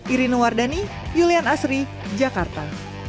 irino wardani julian asri jakarta